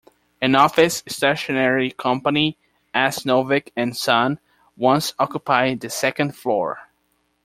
An office stationery company, S. Novick and Son, once occupied the second floor.